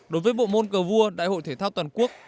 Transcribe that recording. đối với bộ môn cờ vua đại hội thể thao toàn quốc